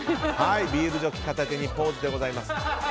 ビールジョッキ片手にポーズでございます。